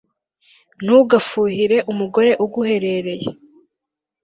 ntugafuhire umugore uguherereye